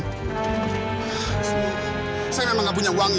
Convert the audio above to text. wisnu saya memang nggak punya uangnya